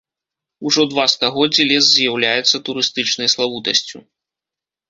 Ужо два стагоддзі лес з'яўляецца турыстычнай славутасцю.